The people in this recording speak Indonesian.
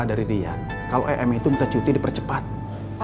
dari rian kalau em itu minta cuti dipercepat